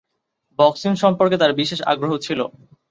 Boxing সম্পর্কে তাঁর বিশেষ আগ্রহ ছিল।